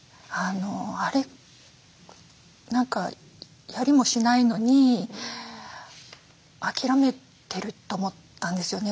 何かやりもしないのに諦めてる」と思ったんですよね